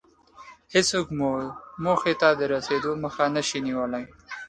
هېڅوک مو موخې ته د رسېدو مخه نشي نيولی.